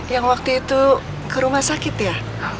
yang waktu itu ke rumah sakit ya